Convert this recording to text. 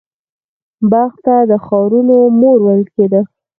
بلخ ته د ښارونو مور ویل کیده